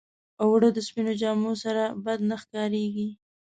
اوړه د سپينو جامو سره بد نه ښکارېږي